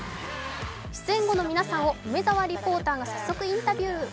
出演後の皆さんを梅澤リポーターが早速インタビュー。